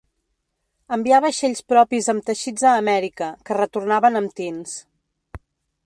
Envià vaixells propis amb teixits a Amèrica, que retornaven amb tints.